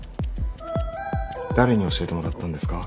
誰に教えてもらったんですか？